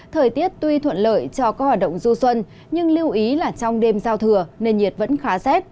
thời tiết tuy thuận lợi cho các hoạt động du xuân nhưng lưu ý là trong đêm giao thừa nền nhiệt vẫn khá rét